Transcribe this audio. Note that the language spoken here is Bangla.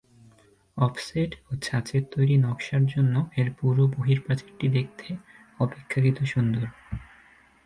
‘অফসেট’ ও ছাঁচের তৈরী নকশার জন্য এর পুরু বহিঃপ্রাচীরটি দেখতে অপেক্ষাকৃত সুন্দর।